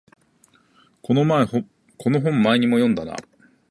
この本前にも読んだな